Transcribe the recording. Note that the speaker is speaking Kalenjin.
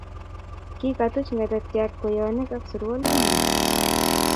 kigatuch ngetetyaat kweyonik ak surualinyi